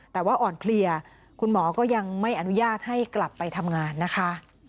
แต่ว่าอ่อนเพลียคุณหมอก็ยังไม่อนุญาตให้กลับไปทำงานนะคะ